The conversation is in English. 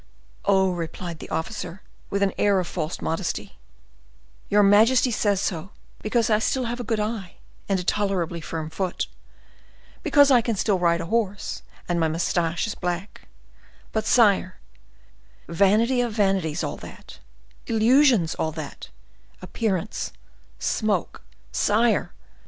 "Oh!" replied the officer, with an air of false modesty, "your majesty says so because I still have a good eye and a tolerably firm foot—because I can still ride a horse, and my mustache is black; but, sire, vanity of vanities all that—illusions all that—appearance, smoke, sire!